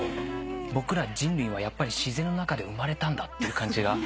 僕ら人類はやっぱり自然の中で生まれたんだっていう感じが。